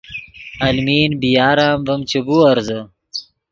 المین بی یار ام ڤیم چے بیورزے